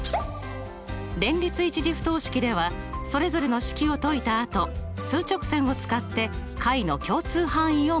連立１次不等式ではそれぞれの式を解いたあと数直線を使って解の共通範囲を求めます。